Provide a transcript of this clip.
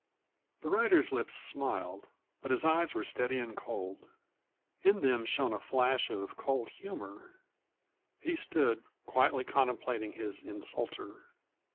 The rider's lips smiled, but his eyes were steady and cold. In them shone a flash of cold humor. He stood, quietly contemplating his insulter.